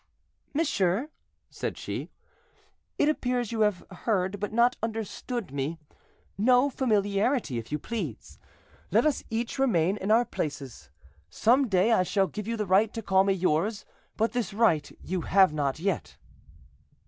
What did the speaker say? "Monsieur," said she, "it appears you have heard, but not understood me. No familiarity, if you please; let us each remain in our places. Some day I shall give you the right to call me yours; but this right you have not yet."